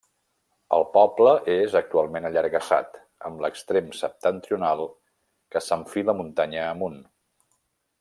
El poble és actualment allargassat, amb l'extrem septentrional que s'enfila muntanya amunt.